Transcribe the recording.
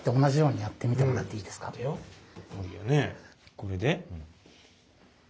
これで？